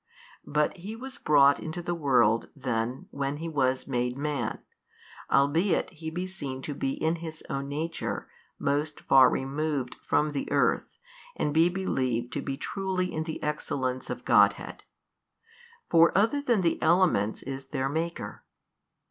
But He was brought into the world then when He was made Man, albeit He be seen to be in His own Nature most far removed from the earth and be believed to be truly in the Excellence of Godhead: for Other than the elements is their Maker.